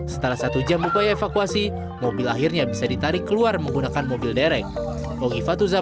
setelah satu jam upaya evakuasi mobil akhirnya bisa ditarik keluar menggunakan mobil derek